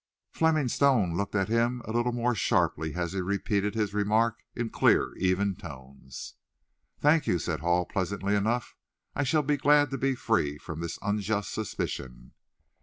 Fleming Stone looked at him a little more sharply as he repeated his remark in clear, even tones. "Thank you," said Hall, pleasantly enough. "I shall be glad to be free from this unjust suspicion."